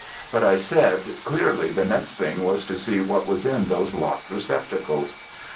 But, I said, clearly the next thing was to see what was in those locked receptacles.